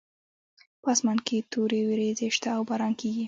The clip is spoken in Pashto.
په اسمان کې تورې وریځې شته او باران کیږي